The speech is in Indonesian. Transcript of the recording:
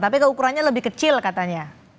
tapi keukurannya lebih kecil katanya